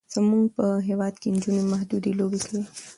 زمونږ په هیواد کې نجونې محدودې لوبې کوي.